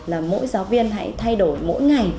là mỗi giáo viên hãy thay đổi mỗi ngày